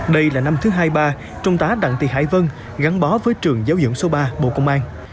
đây là năm thứ hai mươi ba trung tá đặng thị hải vân gắn bó với trường giáo dưỡng số ba bộ công an